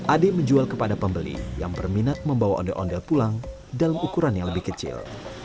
ade menjual kepada pembeli yang berminat membawa ondel ondel pulang dalam ukuran yang lebih kecil